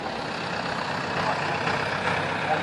আমি ঠিক আছি, বাবা।